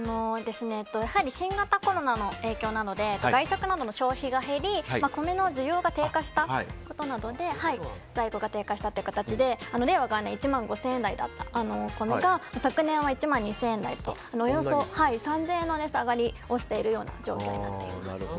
やはり新型コロナの影響なので外食などの消費が減り米の需要が低下したことなどで価格が低下したということで令和元年１万５０００円台だったものが昨年は１万２０００円台とおよそ３０００円の値下がりをしている状況です。